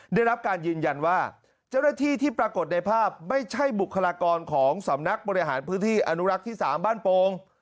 ได้รับการยืนยันว่าเจ้าหน้าที่ที่ปรากฏในภาพไม่ใช่บุคลากรของสำนักบริหารพื้นที่อนุรักษ์ที่๓บ้านโป่ง